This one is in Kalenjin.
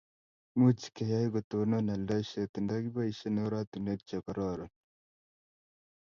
much keyai kotonon aldaishet nda kibaishe oratinwek che karoron